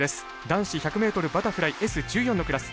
男子１００ｍバタフライＳ１４のクラス。